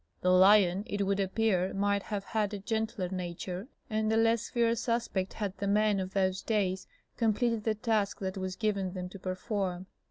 The lion it would appear might have had a gentler nature and a less fierce aspect had the men of those days completed the task that was given them to perform.